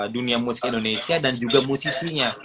dunia musik indonesia dan juga musisinya